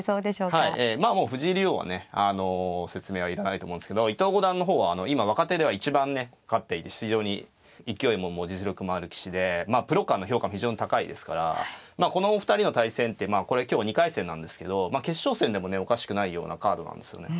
まあもう藤井竜王はね説明は要らないと思うんですけど伊藤五段の方は今若手では一番ね勝っていて非常に勢いも実力もある棋士でプロ間の評価も非常に高いですからこのお二人の対戦ってまあこれ今日２回戦なんですけど決勝戦でもねおかしくないようなカードなんですよね。